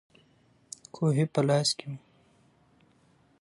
کوهی په لاس کې وو.